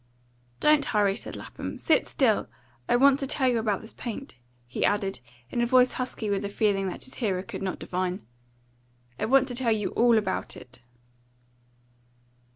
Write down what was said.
"Don't hurry," said Lapham. "Sit still! I want to tell you about this paint," he added, in a voice husky with the feeling that his hearer could not divine. "I want to tell you ALL about it."